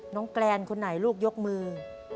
น้องแกรนคุณไหนลูกยกมือ